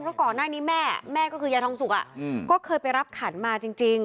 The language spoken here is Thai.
เพราะก่อนหน้านี้แม่แม่ก็คือยายทองสุกก็เคยไปรับขันมาจริง